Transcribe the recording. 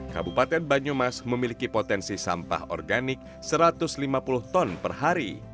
kabupaten banyumas memiliki potensi sampah organik satu ratus lima puluh ton per hari